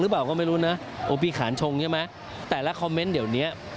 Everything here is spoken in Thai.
หรือเปล่าก็ไม่รู้นะโอปีขานชงใช่ไหมแต่ละคอมเมนต์เดี๋ยวเนี้ย